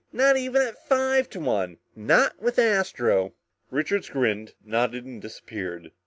"Not even at five to one. Not with Astro." Richards grinned, nodded and disappeared.